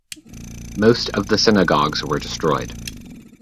Most of the synagogues were destroyed.